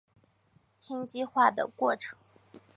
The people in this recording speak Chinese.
羟基化的过程。